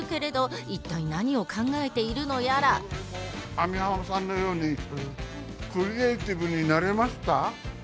網浜さんのようにクリエーティブになれますか？